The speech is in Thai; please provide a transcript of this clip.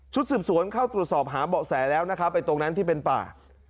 ชุดสืบสวนเข้าตรวจสอบหาเบาะแสแล้วไปตรงนั้นที่เป็นป่า